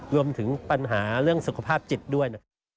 รวมถึงปัญหาเรื่องสุขภาพจิตด้วยนะครับ